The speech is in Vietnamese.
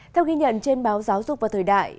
theo ghi nhận trên báo giáo dục và thời đại